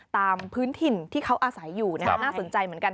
ตามพื้นถิ่นที่เขาอาศัยอยู่น่าสนใจเหมือนกัน